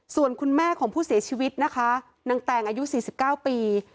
ส่วนคุณแม่ของผู้เสียชีวิตนะคะนางแตงอายุ๔๙ปี